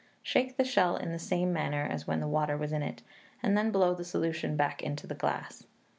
Shake the shell in the same manner as when the water was in it, and then blow the solution back into the glass.